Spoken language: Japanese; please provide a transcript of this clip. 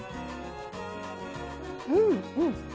うんうん！